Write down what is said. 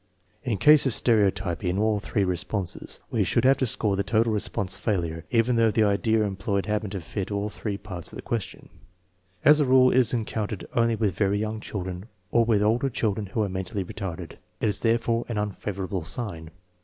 In case of stereotypy in all three responses, we should have to score the total response failure even though the idea employed happened to fit all three parts of the question. As a rule it is encountered only with very young children or with older children who are mentally retarded. It is therefore an unfavorable sign.